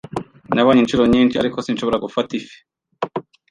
Nabonye inshuro nyinshi, ariko sinshobora gufata ifi.